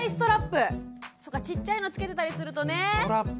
そっかちっちゃいのつけてたりするとね。